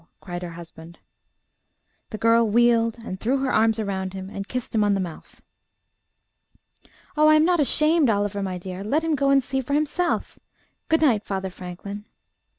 cried her husband. The girl wheeled, and threw her arms round him, and kissed him on the mouth. "Oh! I am not ashamed, Oliver, my dear. Let him go and see for himself. Good night, Father Franklin."